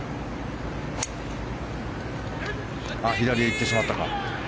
左へ行ってしまったか。